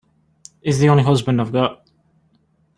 He's the only husband I've got.